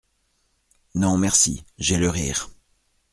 Non, merci… j’ai le Rire.